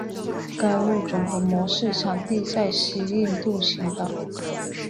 该物种的模式产地在西印度群岛。